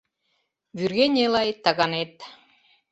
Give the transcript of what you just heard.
Вӱргене-лай таганет